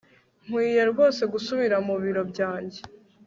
Nkwiye rwose gusubira mu biro byanjye